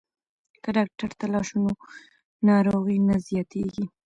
که ډاکټر ته لاړ شو نو ناروغي نه زیاتیږي.